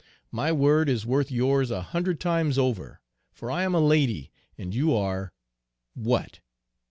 My word is worth yours a hundred times over, for I am a lady, and you are what?